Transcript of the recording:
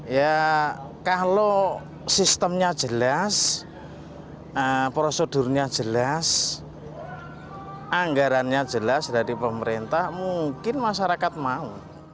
ya kalau sistemnya jelas prosedurnya jelas anggarannya jelas dari pemerintah mungkin masyarakat mau